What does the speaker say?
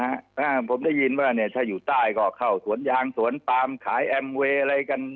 อ่าผมได้ยินว่าเนี่ยถ้าอยู่ใต้ก็เข้าสวนยางสวนปามขายแอมเวย์อะไรกัน